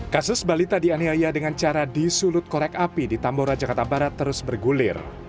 kasus balita dianiaya dengan cara disulut korek api di tambora jakarta barat terus bergulir